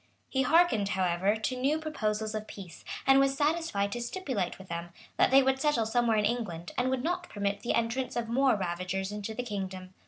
He hearkened, however, to new proposals of peace, and was satisfied to stipulate with them, that they would settle somewhere in England,[] and would not permit the entrance of more ravagers into the kingdom.